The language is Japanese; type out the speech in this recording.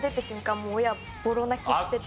もう親はボロ泣きしてて。